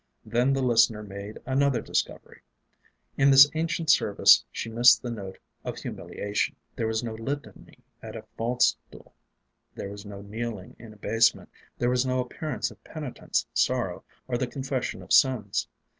Then the listener made another discovery. In this ancient service she missed the note of humiliation. There was no Litany at a Faldstool. There was no kneeling in abasement; there was no appearance of penitence, sorrow, or the confession of sins.